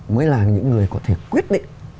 mới là những người có thể quyết định